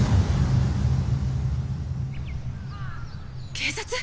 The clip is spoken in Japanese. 警察！？